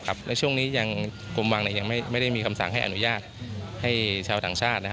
และช่วงนี้ยังกรมวังยังไม่ได้มีคำสั่งให้อนุญาตให้ชาวต่างชาตินะฮะ